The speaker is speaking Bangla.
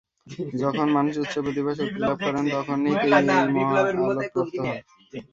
যখন মানুষ উচ্চ প্রতিভা-শক্তি লাভ করেন, তখনই তিনি এই মহা আলোক প্রাপ্ত হন।